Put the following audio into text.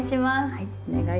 はい。